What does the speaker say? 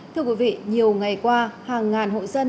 thưa quý vị nhiều ngày qua hàng ngàn hộ dân